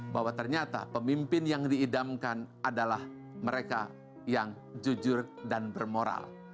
bahwa ternyata pemimpin yang diidamkan adalah mereka yang jujur dan bermoral